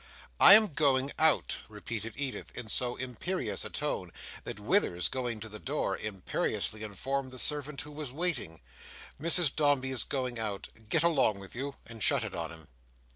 "I am going out," repeated Edith, in so imperious a tone that Withers, going to the door, imperiously informed the servant who was waiting, "Mrs Dombey is going out. Get along with you," and shut it on him.